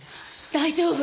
大丈夫。